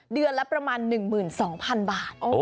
เดือนละประมาณ๑๒๐๐๐บาท